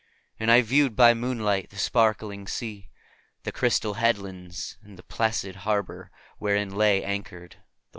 And I viewed by moonlight the sparkling sea, the crystal headlands, and the placid harbor wherein lay anchored the White Ship.